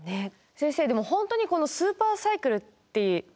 先生でも本当にこのスーパーサイクルっていう周期